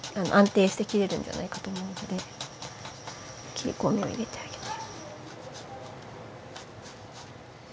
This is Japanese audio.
切りこみを入れてあげて。